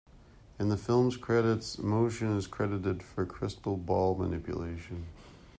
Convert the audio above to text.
In the film's credits, Moschen is credited for crystal ball manipulation.